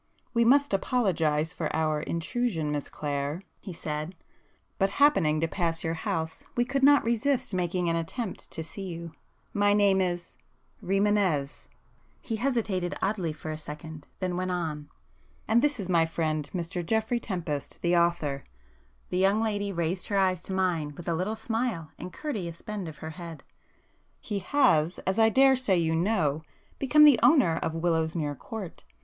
"We must apologise for our intrusion, Miss Clare,"—he said—"But happening to pass your house, we could not resist making an attempt to see you. My name is——Rimânez"—he hesitated oddly for a second, then went on—"and this is my friend Mr Geoffrey Tempest, the author,——" the young lady raised her eyes to mine with a little smile and courteous bend of her head—"he has, as I daresay you know, become the owner of Willowsmere Court.